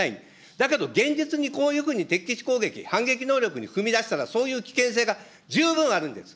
だけど、現実にこういうふうに敵基地攻撃、反撃能力に踏み出したら、そういう危険性が十分あるんです。